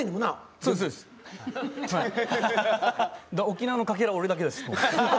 沖縄のかけら俺だけですもう。